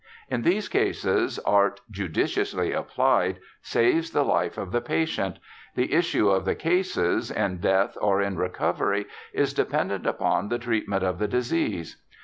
* In these cases, art, judiciously applied, saves the life of the patient ; the issue of the cases, in death or in recovery, is dependent upon the treatment of the disease.'